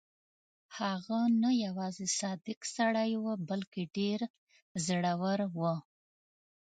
هغه نه یوازې صادق سړی وو بلکې ډېر زړه ور وو.